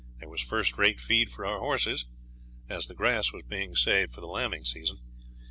There was first rate feed for our horses, as the grass was being saved for the lambing season.